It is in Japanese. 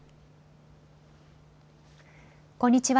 こんにちは。